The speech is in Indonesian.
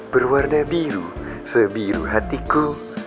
berwarna biru sebiru hatiku